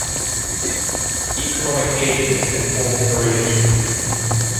Economic agents can form coalitions.